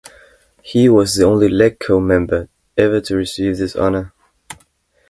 He was the only LegCo member ever to receive this honour.